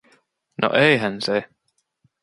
No eihän se.